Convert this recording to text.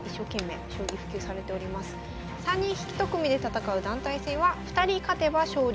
３人一組で戦う団体戦は２人勝てば勝利。